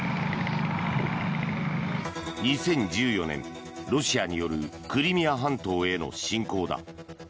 ２０１４年、ロシアによるクリミア半島への侵攻だ。